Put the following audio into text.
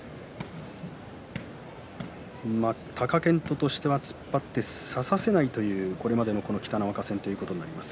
貴健斗としては突っ張って差させないというこれまでの北の若戦です。